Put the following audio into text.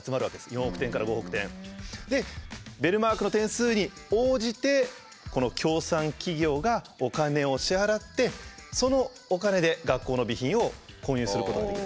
４億点から５億点。でベルマークの点数に応じてこの協賛企業がお金を支払ってそのお金で学校の備品を購入することができる。